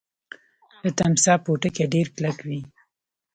د تمساح پوټکی ډیر کلک وي